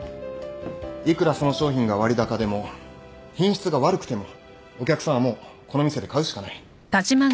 いくらその商品が割高でも品質が悪くてもお客さんはもうこの店で買うしかない。